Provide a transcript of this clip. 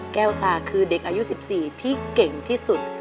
ตาคือเด็กอายุ๑๔ที่เก่งที่สุด